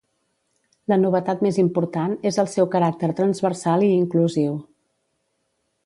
La novetat més important és el seu caràcter transversal i inclusiu.